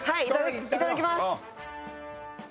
いただきます。